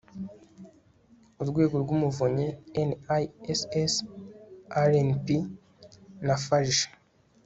Urwego rw Umuvunyi NISS RNP na FARG